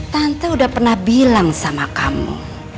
tante udah pernah bilang sama kamu